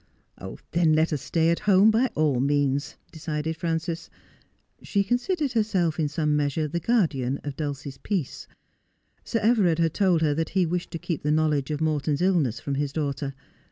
' Then let us stay at home by all means,' decided Frances. She considered herself in some measure the guardian of Dulcie's peace. Sir Everard had told her that he wished to keep the knowledge of Morton's illness from his daughter.